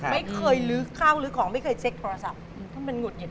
ไม่เคยลื้อข้าวลื้อของไม่เคยเซ็กโทรศัพท์ถ้ามันหุดหิด